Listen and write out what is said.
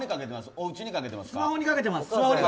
おうちにかけていますか？